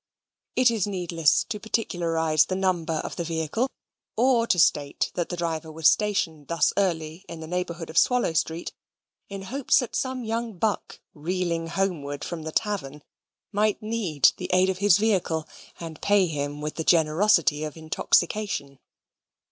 It is needless to particularize the number of the vehicle, or to state that the driver was stationed thus early in the neighbourhood of Swallow Street, in hopes that some young buck, reeling homeward from the tavern, might need the aid of his vehicle, and pay him with the generosity of intoxication.